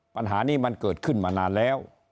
ปัญหานี้มันเกิดขึ้นมานานแล้ว